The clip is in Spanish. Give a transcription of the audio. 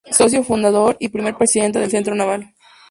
Socio fundador y primer Presidente del Centro Naval.